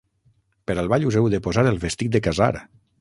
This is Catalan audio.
Per al ball us heu de posar el vestit de casar.